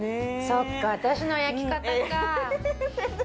そっか、私の焼き方か。